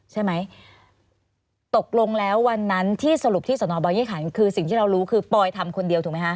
ใช่ไหมตกลงแล้ววันนั้นที่สรุปที่สนบอยี่ขันคือสิ่งที่เรารู้คือปอยทำคนเดียวถูกไหมคะ